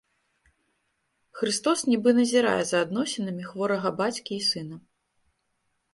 Хрыстос нібы назірае за адносінамі хворага бацькі і сына.